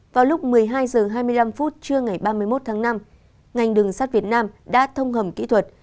vào lúc một mươi hai h hai mươi năm trưa ngày ba mươi một tháng năm ngành đường sắt việt nam đã thông hầm kỹ thuật